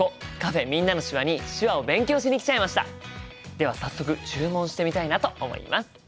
では早速注文してみたいなと思います。